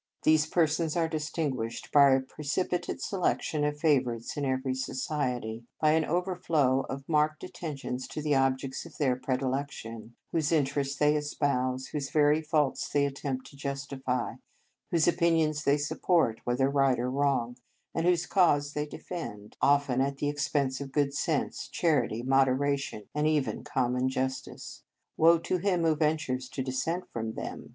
These persons are 95 In Our Convent Days distinguished by a precipitate selec tion of favourites in every society; by an overflow of marked attentions to the objects of their predilection, whose interests they espouse, whose very faults they attempt to justify, whose opinions they support, whether right or wrong, and whose cause they de fend, often at the expense of good sense, charity, moderation, and even common justice. Woe to him who ventures to dissent from them.